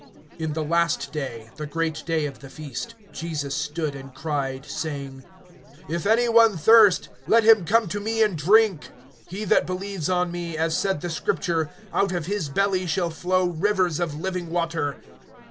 (37)In the last day, the great day of the feast, Jesus stood and cried, saying: If any one thirst, let him come to me and drink. (38)He that believes on me, as said the Scripture, out of his belly shall flow rivers of living water.